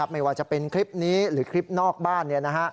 ไม่ว่าจะเป็นคลิปนี้หรือคลิปนอกบ้าน